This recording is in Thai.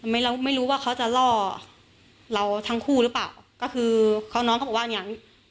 ไม่รู้ไม่รู้ว่าเขาจะล่อเราทั้งคู่หรือเปล่าก็คือเขาน้องเขาบอกว่าอย่างงี้